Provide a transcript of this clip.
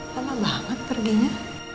lama banget perginya